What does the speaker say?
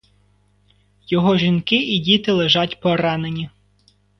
Його жінки і діти лежать поранені.